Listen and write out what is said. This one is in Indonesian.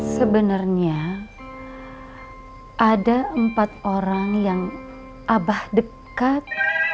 sebenarnya ada empat orang yang abah dekat